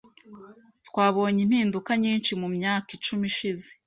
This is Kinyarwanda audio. Twabonye impinduka nyinshi mumyaka icumi ishize.